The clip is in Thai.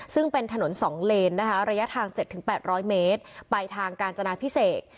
ซึ่งเป็นถนน๒เลนนะคะระยะทาง๗๘๐๐เมตรไปทางกาญจนาพิเศษ